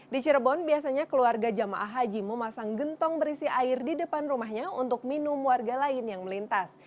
di cirebon biasanya keluarga jamaah haji memasang gentong berisi air di depan rumahnya untuk minum warga lain yang melintas